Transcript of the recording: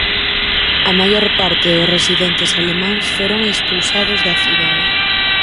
A maior parte dos residentes alemáns foron expulsados da cidade.